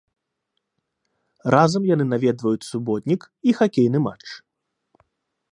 Разам яны наведваюць суботнік і хакейны матч.